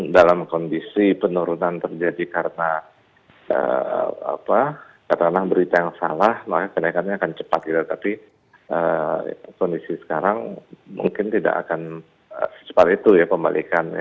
dalam kondisi penurunan terjadi karena berita yang salah maka kenaikannya akan cepat gitu tapi kondisi sekarang mungkin tidak akan secepat itu ya pembalikan ya